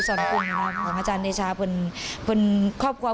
สวนขึ้นเลยของอาจารย์เดชา